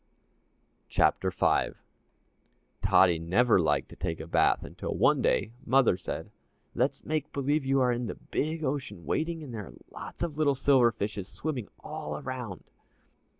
CHAPTER V Tottie never liked to take a bath until one day Mother said: "Let's make believe you are in the big ocean wading and there are lots of little silver fishes swimming all around."